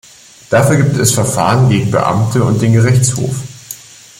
Dafür gibt es Verfahren gegen Beamte und den Gerichtshof.